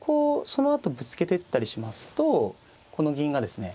そのあとぶつけてったりしますとこの銀がですね